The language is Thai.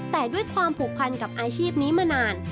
แต่ด้วยความผูกพันกับอาชีพนี้มานาน